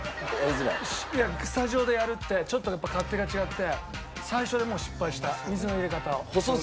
いやスタジオでやるってちょっとやっぱ勝手が違って最初でもう失敗した水の入れ方を。